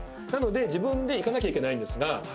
なので自分で行かなきゃいけないんです。